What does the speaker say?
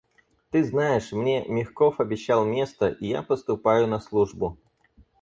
Ты знаешь, мне Мягков обещал место, и я поступаю на службу.